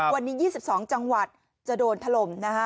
วันนี้๒๒จังหวัดจะโดนถล่มนะฮะ